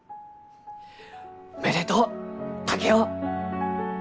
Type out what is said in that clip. おめでとう竹雄！